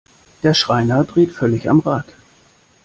Der Schreiner dreht völlig am Rad.